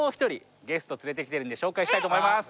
連れてきてるんで紹介したいと思います